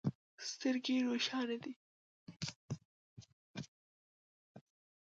سترګې روښانې دي.